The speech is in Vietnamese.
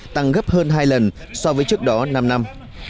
tăng gấp hơn hai lần so với trước đó năm năm